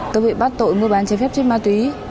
tôi bị bắt tội mưa bán trái phép trên ma túy